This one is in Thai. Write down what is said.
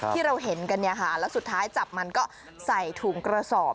ที่เราเห็นกันเนี่ยค่ะแล้วสุดท้ายจับมันก็ใส่ถุงกระสอบ